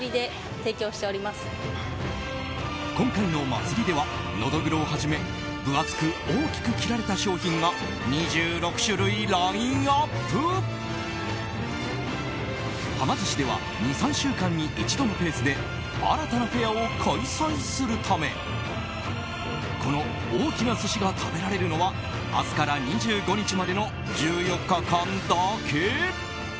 今回の祭りではのどぐろをはじめ分厚く大きく切られた商品が２６種類ラインアップ。はま寿司では２３週間に一度のペースで新たなフェアを開催するためこの大きな寿司が食べられるのは明日から２５日までの１４日間だけ。